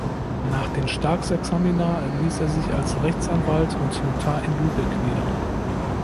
Nach den Staatsexamina ließ er sich als Rechtsanwalt und Notar in Lübeck nieder.